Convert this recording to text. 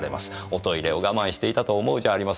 おトイレを我慢していたと思うじゃありませんか。